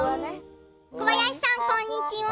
小林さん、こんにちは。